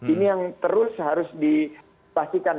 ini yang terus harus dipastikan